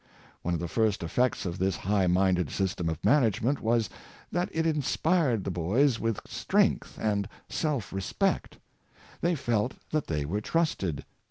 One of the first efrects of this high minded system of management was, that it inspired the boys with strength and self respect. They felt that they were trusted.